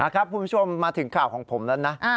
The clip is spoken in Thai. คุณผู้ชมมาถึงข่าวของผมแล้วนะ